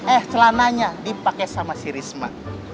eh celananya dipakai sama si risma